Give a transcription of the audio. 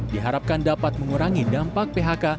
diharapkan dapat mengurangi dampak phk